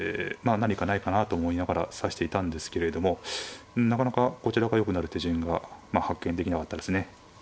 あ何かないかなと思いながら指していたんですけれどもなかなかこちらがよくなる手順がまあ発見できなかったですね。